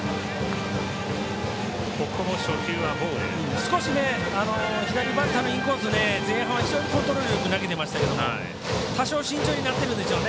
少し左バッターのインコース前半は非常にコントロールよく投げていましたけど多少慎重になっているんでしょうね。